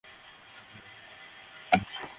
কি বলতেছে উনি এলিয়ট?